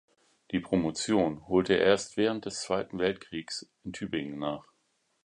Die Promotion holte er erst während des Zweiten Weltkriegs in Tübingen nach.